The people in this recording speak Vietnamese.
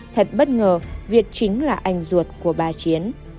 thật bất ngờ việt chính là anh ruột của bà chiến